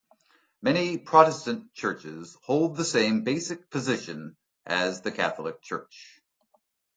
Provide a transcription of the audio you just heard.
Many Protestant churches hold the same basic position as the Catholic Church.